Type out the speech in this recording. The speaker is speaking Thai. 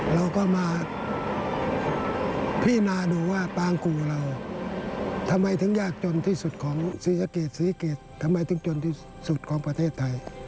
เราก็มาพินาดูว่าปางกู่เราทำไมถึงยากจนที่สุดของศรีสะเกดศรีเกตทำไมถึงจนที่สุดของประเทศไทย